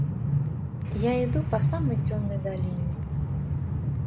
Я иду по самой темной долине.